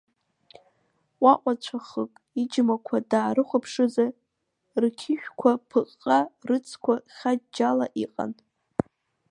Ҟәаҟәацәахых иџьмақәа даарыхәаԥшызар, рқьышәқәа ԥыҟҟа, рыцқәа хаџьџьала иҟан.